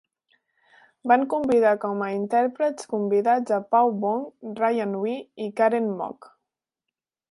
Van convidar com a intèrprets convidats a Paul Wong, Ryan Hui i Karen Mok.